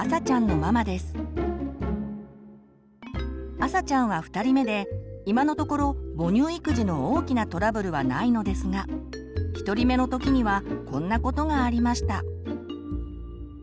あさちゃんは２人目で今のところ母乳育児の大きなトラブルはないのですが１人目の時にはこんなことがありました。